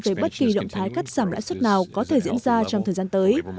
về bất kỳ động thái cắt giảm lãi suất nào có thể diễn ra trong thời gian tới